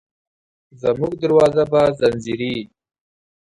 زموږ دروازه به ځینځېرې،